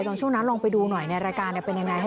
ตอนช่วงนั้นลองไปดูหน่อยในรายการเนี่ยเป็นยังไงให้